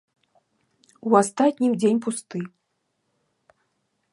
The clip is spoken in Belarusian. У астатнім, дзень пусты.